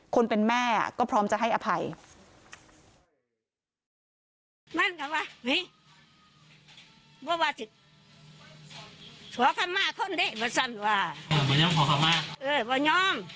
คนเป็นแม่ก็พร้อมจะให้อภัย